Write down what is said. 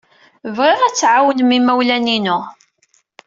Bɣiɣ ad tɛawnem imawlan-inu.